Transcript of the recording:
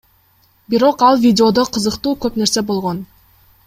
Бирок ал видеодо кызыктуу көп нерсе болгон.